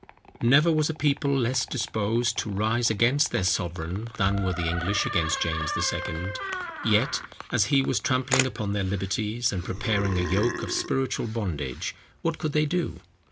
Never was a people less disposed to rise against their sovereign than were the English against James II. Yet, as he was trampling upon their liberties, and preparing a yoke of spiritual bondage, what could they do?